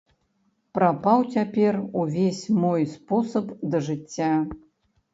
Прапаў цяпер увесь мой спосаб да жыцця.